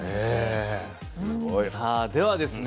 さあではですね